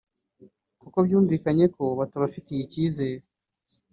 kuko byumvikanye ko batabafitiye icyizere